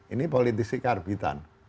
ini politisi karbitan